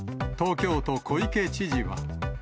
東京都、小池知事は。